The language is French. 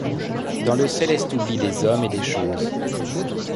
Dans le céleste oubli des hommes et des choses.